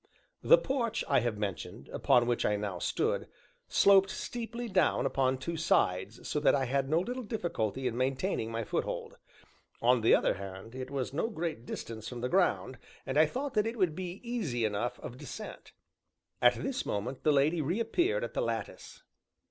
The porch I have mentioned, upon which I now stood, sloped steeply down upon two sides, so that I had no little difficulty in maintaining my foothold; on the other hand, it was no great distance from the ground, and I thought that it would be easy enough of descent. At this moment the lady reappeared at the lattice.